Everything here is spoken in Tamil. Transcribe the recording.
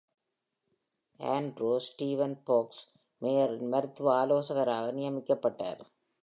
ஆண்ட்ரூ ஸ்டீவன் ஃபாக்ஸ் மேயரின் மருத்துவ ஆலோசகராக நியமிக்கப்பட்டார்.